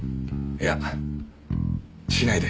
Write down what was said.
いやしないで。